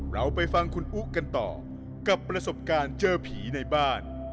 เราไปฟังคุณอุ๊กันต่อกับประสบการณ์เจอผีในบ้าน